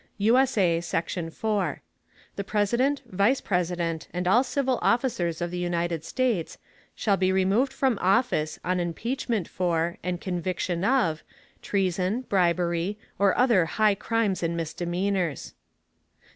[USA] Section 4. The President, Vice President and all civil Officers of the United States, shall be removed from Office on Impeachment for, and Conviction of, Treason, Bribery, or other high Crimes and Misdemeanors.